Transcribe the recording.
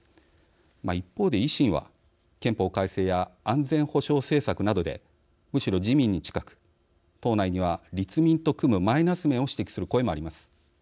一方で、維新は憲法改正や安全保障政策などでむしろ自民に近く、党内には立民と組むマイナス面を指摘する声もあります。